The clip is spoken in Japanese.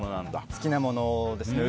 好きなものですね。